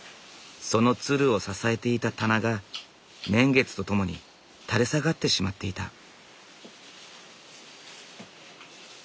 そのつるを支えていた棚が年月とともに垂れ下がってしまっていた。